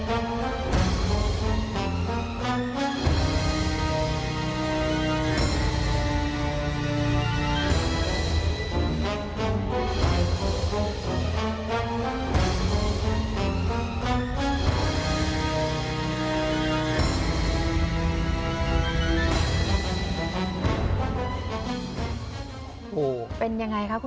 ครับคุณผู้ชายครับ